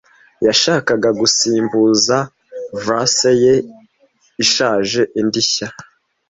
Yashakaga gusimbuza vase ye ishaje indi nshya.